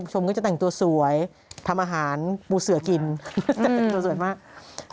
ชมก็จะแต่งตัวสวยทำอาหารปูเสือกินตัวสวยมาก